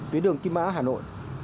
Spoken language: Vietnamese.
tuyến đường kim mã hà nội